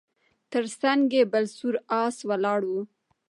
تر څنګ یې بل سور آس ولاړ و